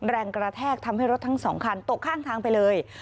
แรงกระแทกทำให้รถทั้งสองคันตกข้างทางไปเลย